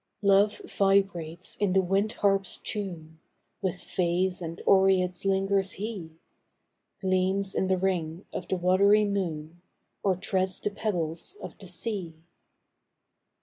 Love vibrates in the wind harp s tune With fays and oreads lingers he Gleams in th ring of the watery moon, Or treads the pebbles of the sea.